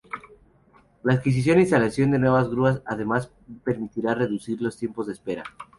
La adquisición e instalación de nuevas grúas además permitirá reducir los tiempos de espera.